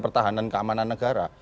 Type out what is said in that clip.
pertahanan keamanan negara